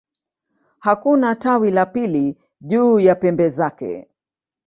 Hakuna tawi la pili juu ya pembe zake.